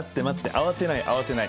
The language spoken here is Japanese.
慌てない慌てない。